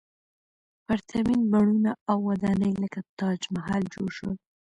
پرتمین بڼونه او ودانۍ لکه تاج محل جوړ شول.